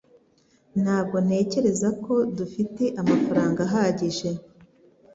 Ntabwo ntekereza ko dufite amafaranga ahagije